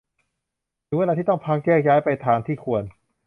ถึงเวลาที่ต้องพัก แยกย้ายไปทางที่ควร